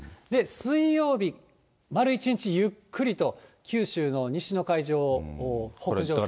水曜日、丸一日ゆっくりと九州の西の海上を北上する見込み。